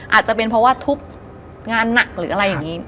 อาจจะเป็นเพราะว่าทุบงานหนักหรืออะไรอย่างนี้